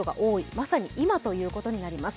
まさに今ということになります。